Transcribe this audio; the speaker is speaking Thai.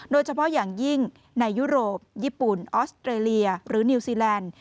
โดยเฉพาะอย่างยิ่งในยุโรปญี่ปุ่นออสเตรเลียหรือนิวซีแลนด์